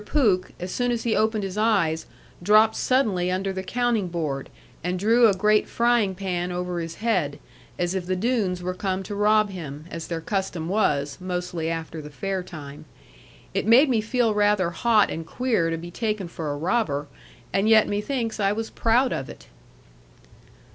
Pooke, as soon as he opened his eyes, dropped suddenly under the counting board, and drew a great frying pan over his head, as if the Doones were come to rob him, as their custom was, mostly after the fair time. It made me feel rather hot and queer to be taken for a robber; and yet methinks I was proud of it.